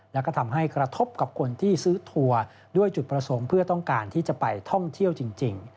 แล้วก็ทำให้กระทบกับคนที่ซื้อทัวร์ด้วยจุดประสงค์เพื่อต้องการที่จะไปท่องเที่ยวจริง